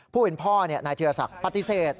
ผู้เป็นพ่อนายธีรศักดิ์ปฏิเสธ